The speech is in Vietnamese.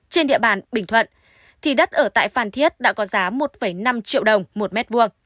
trên địa bàn bình thuận thì đất ở tại phan thiết đã có giá một năm triệu đồng một m hai